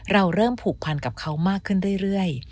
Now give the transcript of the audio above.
เราเริ่มผูกพันกับเขามากขึ้นเรื่อย